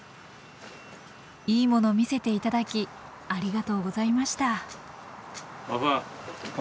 いいもの見せていただきありがとうございました。